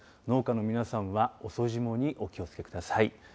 農家の皆さんは、遅霜にお気をつけください。